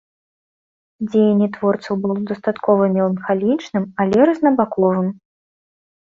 Дзеянне творцаў было дастаткова меланхалічным, але рознабаковым.